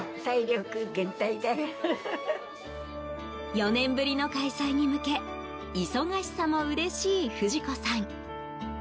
４年ぶりの開催に向け忙しさもうれしい不二子さん。